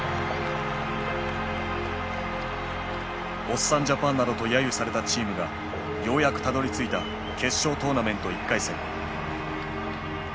「おっさんジャパン」などと揶揄されたチームがようやくたどりついた決勝トーナメント１回戦。